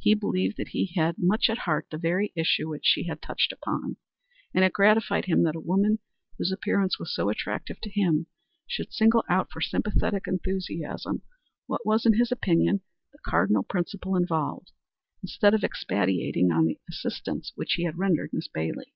He believed that he had much at heart the very issue which she had touched upon, and it gratified him that a woman whose appearance was so attractive to him should single out for sympathetic enthusiasm what was in his opinion the cardinal principle involved, instead of expatiating on the assistance he had rendered Miss Bailey.